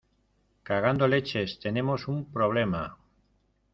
cagando leches. tenemos un problema .